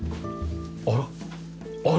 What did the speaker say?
あら？